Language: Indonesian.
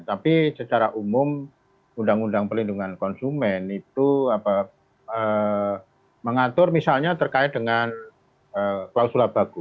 tapi secara umum undang undang perlindungan konsumen itu mengatur misalnya terkait dengan klausula bagu